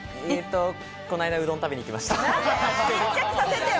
このあいだ、うどん食べに行きました。